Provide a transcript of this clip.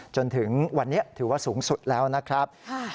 จนถึงวันนี้ถือว่าสูงสุดแล้วนะครับ